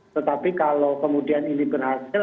tetapi kalau kemudian ini berhasil